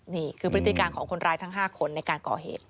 นี่คือพฤติการของคนร้ายทั้ง๕คนในการก่อเหตุ